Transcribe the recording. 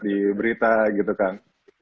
di berita gitu kan